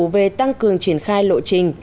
về tăng cường triển khai lộ trình